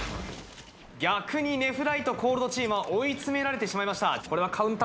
逆にネフライト・Ｃｏｌｄチームは追い詰められてしまいました。